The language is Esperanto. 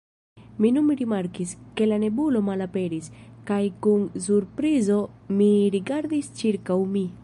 Mi nun rimarkis, ke la nebulo malaperis, kaj kun surprizo mi rigardis ĉirkaŭ mi.